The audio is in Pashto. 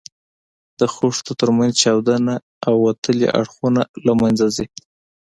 د خښتو تر منځ چاودونه او وتلي اړخونه له منځه ځي.